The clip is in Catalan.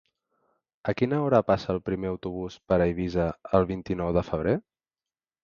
A quina hora passa el primer autobús per Eivissa el vint-i-nou de febrer?